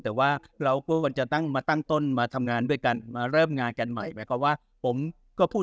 แต่ว่าเราก็ควรจะตั้งมาตั้งต้นมาทำงานด้วยกันมาเริ่มงานกันใหม่หมายความว่าผมก็พูด